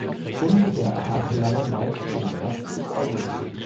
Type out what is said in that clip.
Funde der Art gelangen meist von März bis August.